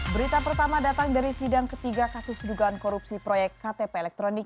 berita pertama datang dari sidang ketiga kasus dugaan korupsi proyek ktp elektronik